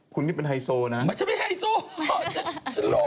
คุณนี่เป็นไฮโซนะครับฉันไม่ไฮโซฉันหล่อต่อ